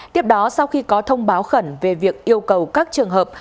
tiếp đó sau khi có thông báo khẩn về việc yêu cầu các trường hợp